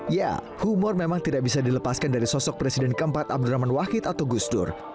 ya humor memang tidak bisa dilepaskan dari sosok presiden keempat abdurrahman wahid atau gusdur